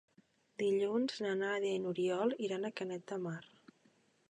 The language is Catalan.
Dilluns na Nàdia i n'Oriol iran a Canet de Mar.